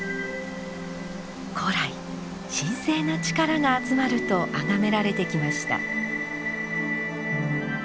古来神聖な力が集まると崇められてきました。